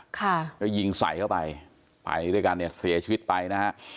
ค่ะก็ยิงใส่เข้าไปไปด้วยกันเนี่ยเสียชีวิตไปนะฮะ